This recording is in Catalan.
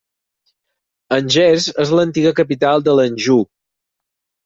Angers és l'antiga capital de l'Anjou.